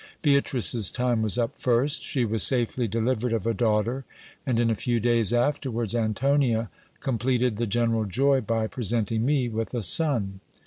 Beatrice's time was up first : she was safely de livered of a daughter ; and in a few days afterwards Antonia completed the general joy, by presenting me with a son.